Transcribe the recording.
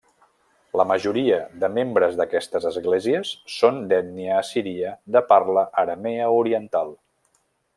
La majoria de membres d’aquestes esglésies són d’ètnia assíria de parla aramea oriental.